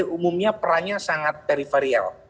partai umumnya perannya sangat peripheral